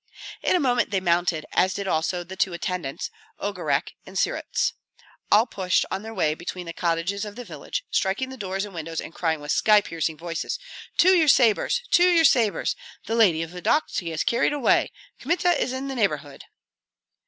In a moment they mounted, as did also the two attendants, Ogarek and Syruts. All pushed on their way between the cottages of the village, striking the doors and windows, and crying with sky piercing voices: "To your sabres, to your sabres! The lady of Vodokty is carried away! Kmita is in the neighborhood!"